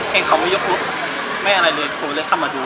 เห็นเขาไม่ยกรถไม่อะไรเลยโค้งเลยเข้ามาดู